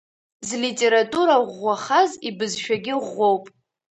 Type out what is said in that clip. Злитература ӷәӷәахаз ибызшәагьы ӷәӷәоуп.